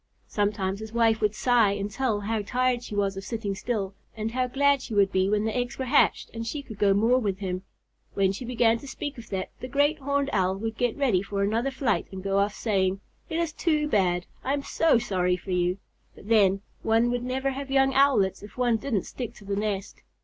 Sometimes his wife would sigh and tell how tired she was of sitting still, and how glad she would be when the eggs were hatched and she could go more with him. When she began to speak of that, the Great Horned Owl would get ready for another flight and go off saying: "It is too bad. I am so sorry for you. But then, one would never have young Owlets if one didn't stick to the nest."